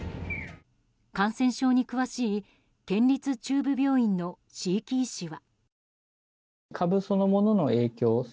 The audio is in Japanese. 感染症に詳しい県立中部病院の椎木医師は。